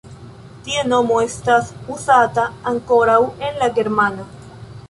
Tie nomo estas uzata ankoraŭ en la germana.